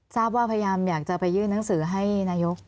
ทราบว่าพยายามอยากจะไปยื่นหนังสือให้นายก